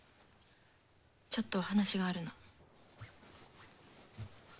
ちょっとお話があるの。